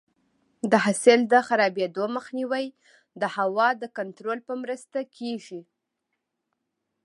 د حاصل د خرابېدو مخنیوی د هوا د کنټرول په مرسته کېږي.